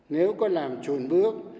nếu có làm chuồn bước